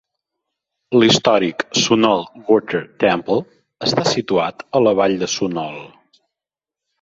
L'històric Sunol Water Temple està situat a la vall de Sunol.